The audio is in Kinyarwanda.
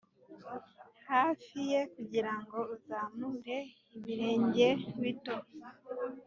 hafi ye kugirango uzamure ibirenge bito